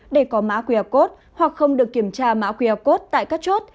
để có mã qr code hoặc không được kiểm tra mã qr code tại các chốt